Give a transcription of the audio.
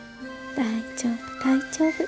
大丈夫大丈夫。